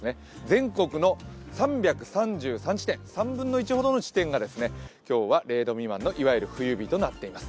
全国の３３３地点、３分の１ほどの地点が０度未満の冬日となっています。